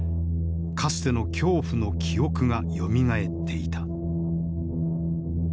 かつての恐怖の記憶がよみがえっていた。